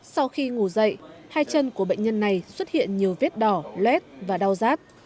sau khi ngủ dậy hai chân của bệnh nhân này xuất hiện nhiều vết đỏ lét và đau rát